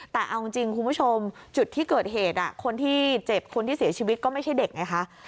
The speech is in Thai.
แต่เอาจริงคุณผู้ชมจุดที่เกิดเหตุคนที่เจ็บคนที่เสียชีวิตก็ไม่ใช่เด็กไงคะ